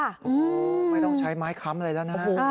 โอ้โหไม่ต้องใช้ไม้ค้ำอะไรแล้วนะฮะ